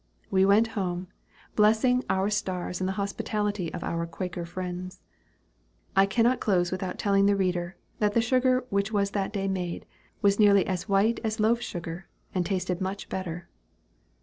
We went home, blessing our stars and the hospitality of our Quaker friends. I cannot close without telling the reader, that the sugar which was that day made, was nearly as white as loaf sugar, and tasted much better.